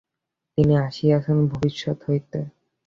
তিনি আসিয়াছেন ভবিষ্যত হইতে।